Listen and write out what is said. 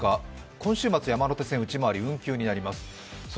今週末、山手線内回り、運休になります。